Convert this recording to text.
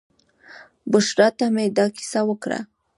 بشرا ته مې دا کیسه وکړه.